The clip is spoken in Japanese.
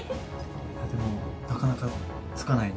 でもなかなか着かないね。